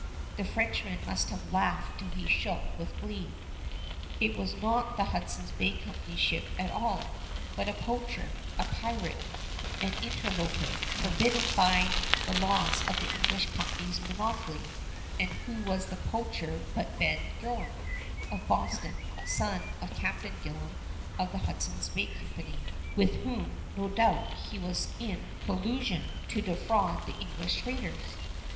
The Frenchman must have laughed till he shook with glee! It was not the Hudson's Bay Company ship at all, but a poacher, a pirate, an interloper, forbidden by the laws of the English Company's monopoly; and who was the poacher but Ben Gillam, of Boston, son of Captain Gillam of the Hudson's Bay Company, with whom, no doubt, he was in collusion to defraud the English traders!